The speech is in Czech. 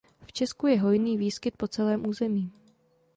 V Česku je hojný výskyt po celém území.